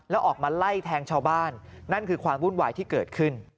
แล้วออกมาไล่แทงชาวบ้านนั่นคือความวุ่นวายที่เกิดขึ้น